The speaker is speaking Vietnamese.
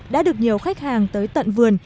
đã được nhiều khách hàng tới tận vườn